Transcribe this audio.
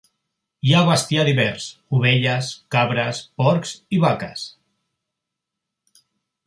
Hi ha bestiar divers: ovelles, cabres, porcs i vaques.